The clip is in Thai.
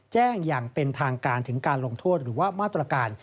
อย่างเป็นทางการถึงการลงโทษหรือว่ามาตรการ